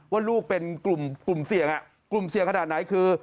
ว่าลูกเป็นกลุ่มเสี่ยงกลุ่มเสี่ยงขนาดไหนคือ